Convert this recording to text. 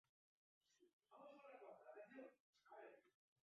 Haren kantak film eta telesail askotan erabili izan dira.